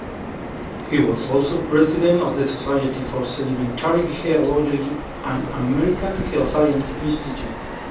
He was also president of the Society for Sedimentary Geology and American Geosciences Institute.